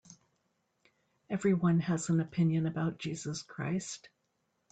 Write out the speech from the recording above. Everyone has an opinion about Jesus Christ.